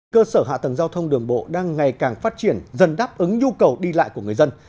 cơ sở hạ tầng giao thông đường bộ đang ngày càng phát triển dần đáp ứng nhu cầu đi lại của người dân